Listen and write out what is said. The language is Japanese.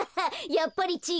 やっぱりちぃ